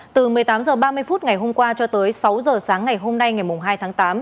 từ một mươi tám h ba mươi phút ngày hôm qua cho tới sáu h sáng ngày hôm nay ngày hai tháng tám